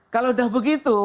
kalau sudah begitu